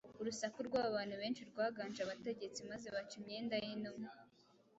Urusaku rw’abo bantu benshi rwaganje abategetsi maze baca imyenda y’intumwa